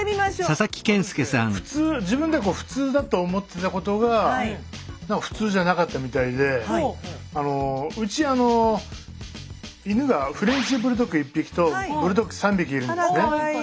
普通自分では普通だと思ってたことが普通じゃなかったみたいでうち犬がフレンチブルドッグ１匹とブルドッグ３匹いるんですね。